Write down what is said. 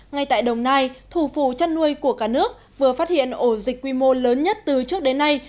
ngay tại đồng nai thủ phủ chăn nuôi của cả nước vừa phát hiện ổ dịch quy mô lớn nhất từ trước đến nay